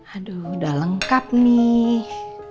aduh udah lengkap nih